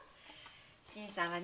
新さんはね